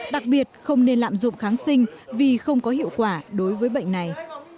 đặc biệt không nên lạm dụng kháng sinh vì không có hiệu quả đối với bệnh này